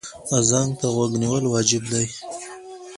اذان ته غوږ نیول واجب دی.